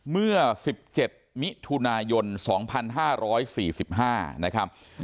เมื่อ๑๗มิถุนายน๒๕๔๕นะครับ